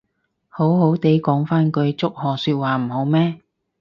好好哋講返句祝賀說話唔好咩